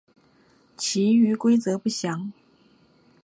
其余规则不详。